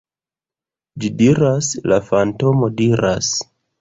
Ĝi diras, la fantomo diras